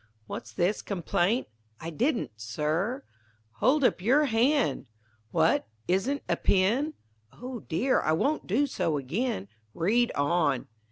What's this complaint? I didn't, Sir, Hold up your hand, What, is't a pin? O dear, I won't do so again. Read on.